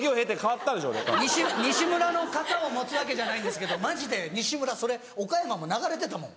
西村の肩を持つわけじゃないんですけどマジで西村それ岡山も流れてたもん。